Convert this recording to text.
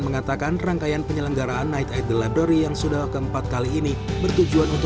mengatakan rangkaian penyelenggaraan night at the library yang sudah keempat kali ini bertujuan